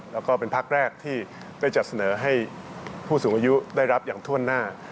แล้วก็เป็นพักแรกที่ได้จัดเสนอให้ผู้สูงอายุได้รับอย่างถ้วนหน้า